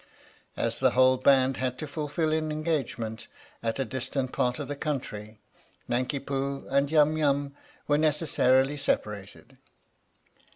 As the whole band had to fulfil an engagement at a distant part of the country, Nanki Poo and Yum Yum were neces sarily separated.